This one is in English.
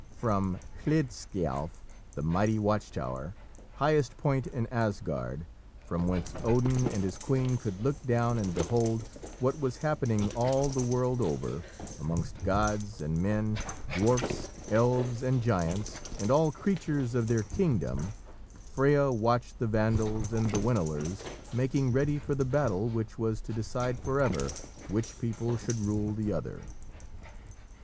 From Hlidskialf, the mighty watch tower, highest point in Asgard, from whence Odin and his queen could look down and behold what was happening all the world over, amongst gods and men, dwarfs, elves, and giants, and all creatures of their kingdom, Freya watched the Vandals and the Winilers making ready for the battle which was to decide forever which people should rule the other.